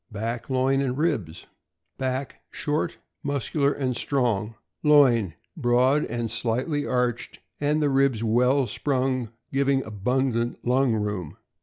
Back, loin, and ribs. — Back short, muscular, and strong. Loin broad and slightly arched, and the ribs well sprung, giving abundant lung room.